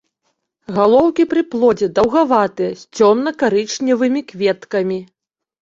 Галоўкі пры плодзе даўгаватыя, з цёмна-карычневымі кветкамі.